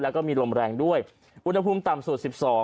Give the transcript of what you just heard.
แล้วก็มีลมแรงด้วยอุณหภูมิต่ำสุด๑๒